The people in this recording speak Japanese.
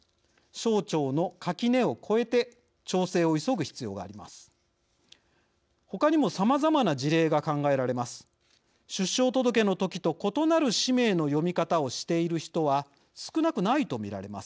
省庁の垣根を越えて調整を急ぐ必要があります。